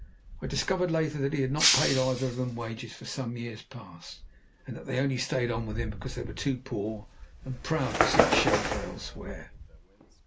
I discovered later that he had not paid either of them wages for some years past, and that they only stayed on with him because they were too poor and proud to seek shelter elsewhere.